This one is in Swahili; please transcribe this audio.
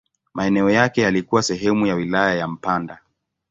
Maeneo yake yalikuwa sehemu ya wilaya ya Mpanda.